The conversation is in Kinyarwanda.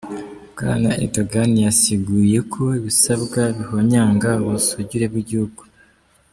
Bwana Erdogan yasiguye ko ibisabwa bihonyanga ubusugire bw'igihugu.